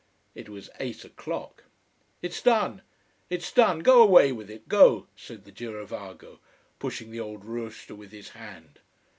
It was eight o'clock. "It's done! It's done! Go away with it! Go," said the girovago, pushing the old roaster with his hand.